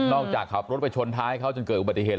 จากขับรถไปชนท้ายเขาจนเกิดอุบัติเหตุ